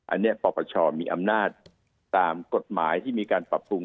อันนี้ปปชมีอำนาจตามกฎหมายที่มีการปรับปรุง